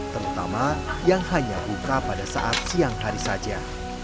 terutama yang hanya buka pada saat siang hari saja